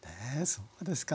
そうですか。